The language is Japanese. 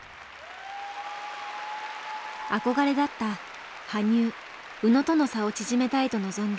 憧れだった羽生宇野との差を縮めたいと望んだ優真。